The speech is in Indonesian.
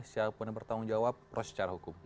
siapun yang bertanggung jawab harus secara hukum